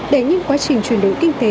để những quá trình chuyển đổi kinh tế